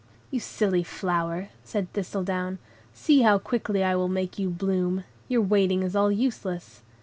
"You silly flower," said Thistledown, "see how quickly I will make you bloom! your waiting is all useless."